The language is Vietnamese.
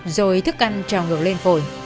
rồi thức ăn trào ngược lên phổi